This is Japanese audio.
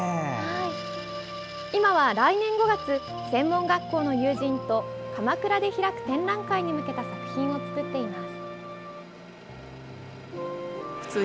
今は、来年５月専門学校の友人と鎌倉で開く展覧会に向けた作品を作っています。